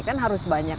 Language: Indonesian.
kan harus banyak